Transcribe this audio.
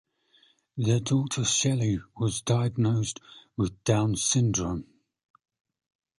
Their daughter, Shelley, was diagnosed with Down syndrome.